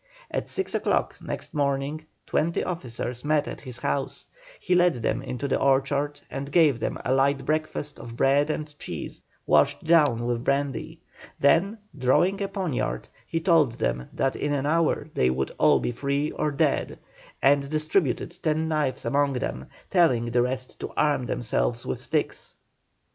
At six o'clock next morning twenty officers met at his house; he led them into the orchard and gave them a light breakfast of bread and cheese washed down with brandy; then, drawing a poniard, he told them that in an hour they would all be free or dead, and distributed ten knives among them, telling the rest to arm themselves with sticks.